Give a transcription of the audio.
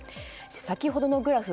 先ほどのグラフ